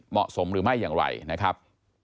เหมาะสมหรือไม่อย่างไรนะครับ